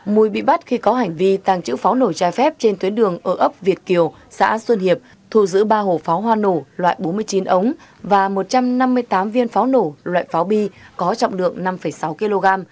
mùi bị bắt khi có hành vi tàng trữ pháo nổi trái phép trên tuyến đường ở ấp việt kiều xã xuân hiệp thù giữ ba hộp pháo hoa nổ loại bốn mươi chín ống và một trăm năm mươi tám viên pháo nổ loại pháo bi có trọng lượng năm sáu kg